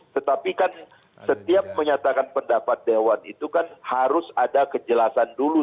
tetapi kan setiap menyatakan pendapat dewan itu kan harus ada kejelasan dulu